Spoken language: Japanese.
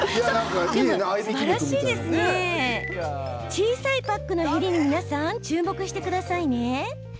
小さいパックのへりに注目してください。